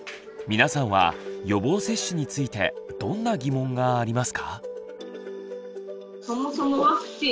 皆さんは予防接種についてどんな疑問がありますか？